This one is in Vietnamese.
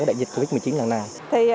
đại dịch covid một mươi chín lần này